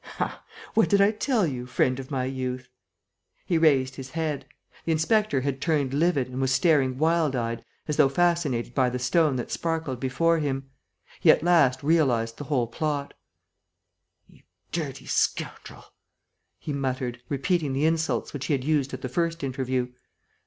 "Ha! What did I tell you, friend of my youth?" He raised his head. The inspector had turned livid and was staring wild eyed, as though fascinated by the stone that sparkled before him. He at last realized the whole plot: "You dirty scoundrel!" he muttered, repeating the insults which he had used at the first interview.